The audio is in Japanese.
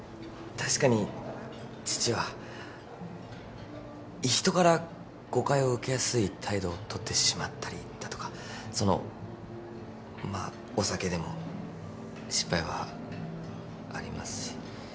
確かに父は人から誤解を受けやすい態度をとってしまったりだとかそのまあお酒でも失敗はありますし。